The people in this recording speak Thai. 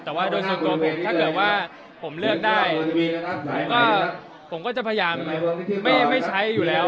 แต่ว่าโดยส่วนตัวผมถ้าเกิดว่าผมเลือกได้ผมก็จะพยายามไม่ใช้อยู่แล้ว